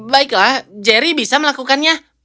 baiklah jerry bisa melakukannya